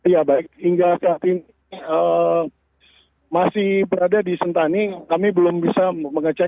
ya baik hingga saat ini masih berada di sentani kami belum bisa mengecek